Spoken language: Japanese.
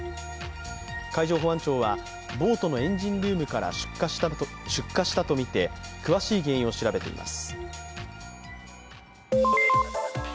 海上保安庁は、ボートのエンジンルームから出火したとみて詳しい原因を調べています。